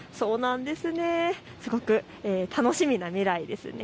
すごく楽しみな未来ですね。